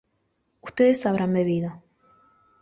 ustedes habrán bebido